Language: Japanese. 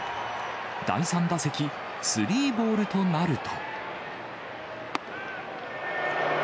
第３打席、スリーボールとなると。